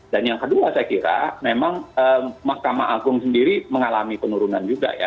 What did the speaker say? dan yang kedua saya kira memang mahkamah agung sendiri mengalami penurunan juga ya